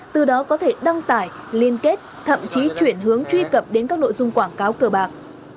từ đó có thể đăng tải liên kết thậm chí chuyển hướng truy cập đến các nội dung quảng cáo cờ bạc